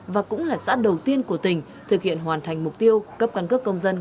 và cũng là xã đầu tiên của tỉnh thực hiện hoàn thành mục tiêu cấp căn cước công dân